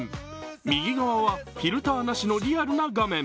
右側はフィルターなしのリアルな画面。